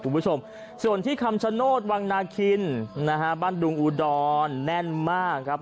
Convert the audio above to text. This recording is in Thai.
คุณผู้ชมส่วนที่คำชโนธวังนาคินนะฮะบ้านดุงอุดรแน่นมากครับ